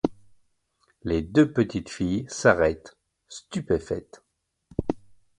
Les deux petites filles s’arrêtèrent, stupéfaites.